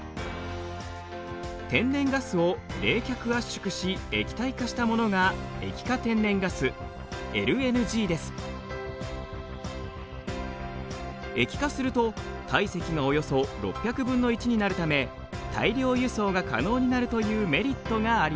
天然ガスを冷却圧縮し液体化したものが液化すると体積がおよそ６００分の１になるため大量輸送が可能になるというメリットがあります。